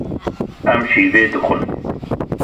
Em şîvê dixwin.